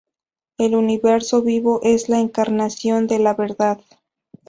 El Universo vivo es la encarnación de la verdad.